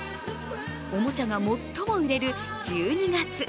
おもちゃが最も売れる１２月。